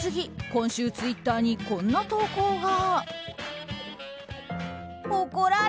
今週ツイッターにこんな投稿が。